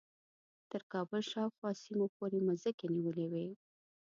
تر کابل شاوخوا سیمو پورې مځکې نیولې وې.